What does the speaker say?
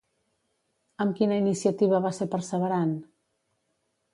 Amb quina iniciativa va ser perseverant?